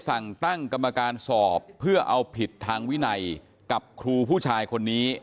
สั่งตั้งกรรมการสอบเพื่อเอาผิดทางวินัยกับครูผู้ชายคนนี้